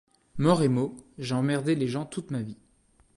Mort et Mots J'ai emmerdé les gens toute ma vie.